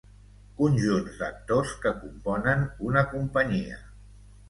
Conjunts d'actors que componen una companyia.